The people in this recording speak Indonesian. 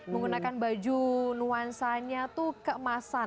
menggunakan baju nuansanya tuh keemasan